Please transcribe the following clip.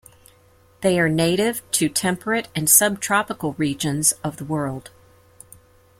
They are native to temperate and subtropical regions of the world.